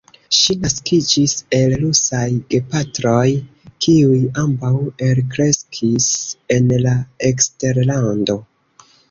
Ŝi naskiĝis el rusaj gepatroj, kiuj ambaŭ elkreskis en la eksterlando.